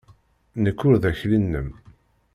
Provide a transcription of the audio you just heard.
Nekk ur d akli-nnem!